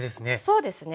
そうですね。